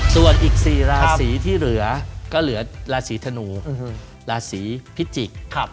ส่วนอีก๔ราศีที่เหลือก็เหลือราศีธนูราศีพิจิกษ์